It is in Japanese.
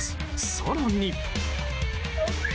更に。